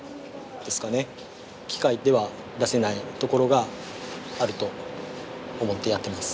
機械では出せないところがあると思ってやってます。